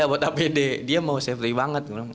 buat apd dia mau safety banget